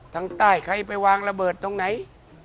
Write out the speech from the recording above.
ทางใต้ใครไปวางระเบิดตรงไหน